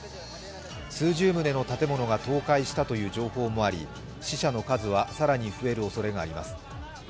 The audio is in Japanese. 数十棟の建物が倒壊したという情報もあり死者の数は更に増えるおそれがあります。